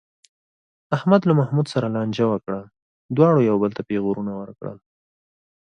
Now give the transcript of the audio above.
احمد له محمود سره لانجه وکړه، دواړو یو بل ته پېغورونه ورکړل.